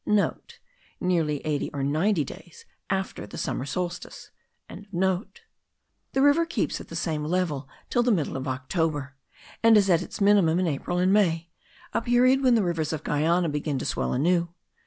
*(* Nearly eighty or ninety days after the summer solstice.) The river keeps at the same level till the middle of October; and is at its minimum in April and May, a period when the rivers of Guiana begin to swell anew.